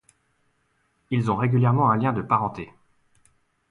Ils ont régulièrement un lien de parenté.